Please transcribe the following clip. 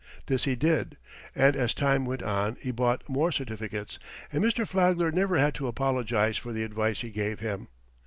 This he did, and as time went on he bought more certificates, and Mr. Flagler never had to apologize for the advice he gave him.